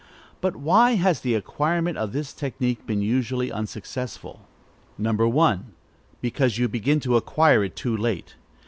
But why has the acquirement of this technique been usually unsuccessful? 1. Because you begin to acquire it too late.